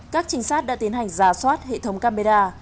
các chính sát đã tiến hành rà soát hệ thống camera